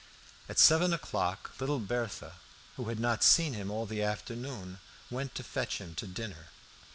At seven o'clock little Berthe, who had not seen him all the afternoon, went to fetch him to dinner.